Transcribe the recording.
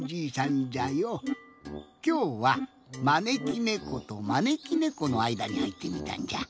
きょうはまねきねことまねきねこのあいだにはいってみたんじゃ。